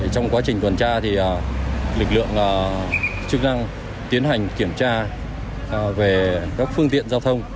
trong quá trình tuần tra lực lượng chức năng tiến hành kiểm tra về các phương tiện giao thông